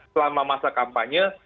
selama masa kampanye